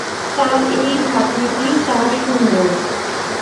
তাঁর এই ভাগনিটি তার সুন্দর।